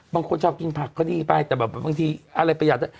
บางคนชอบกินผักก็ดีไปแต่แบบบางทีอะไรประหยัด